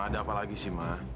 ada apa lagi sih ma